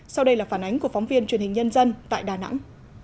sau đây là phản ánh của phóng viên truyền hình nhân dân tại đà nẵng